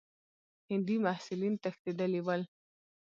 هندي محصلین تښتېدلي ول.